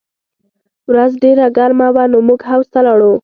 ورځ ډېره ګرمه وه نو موږ حوض ته لاړو